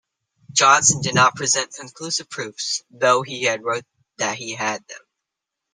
Johnston did not present conclusive proofs, though he wrote that he had them.